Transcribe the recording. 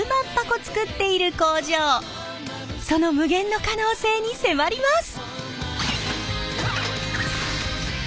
その無限の可能性に迫ります！